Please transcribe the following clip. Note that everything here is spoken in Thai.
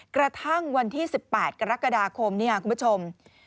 กระทั่งวันที่๑๘กรกฎาคมคุณผู้ชม